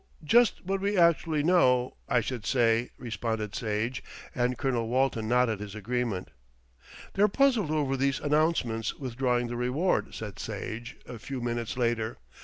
just what we actually know, I should say," responded Sage, and Colonel Walton nodded his agreement. "They're puzzled over those announcements withdrawing the reward," said Sage a few minutes later.